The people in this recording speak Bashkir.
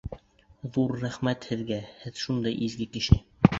Ҙур рәхмәт һеҙгә һеҙ шундай изге кеше!